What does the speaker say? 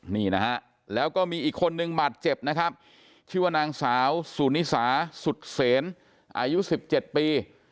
นี่นะแล้วก็มีอีกคนนึงหมัดเจ็บนะครับชื่อนางสาวสุนิสาศุทธ์เศรนอายุ๑๗ปี